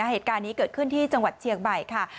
เหตุการณ์นี้เกิดขึ้นที่จังหวัดเชียงใหม่ค่ะ